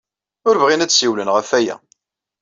Ur bɣin ad d-ssiwlen ɣef waya.